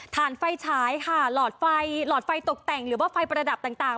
ฐานไฟช้ายหลอดไฟตกแต่งหรือว่าไฟประดับต่าง